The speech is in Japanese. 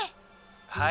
「はい。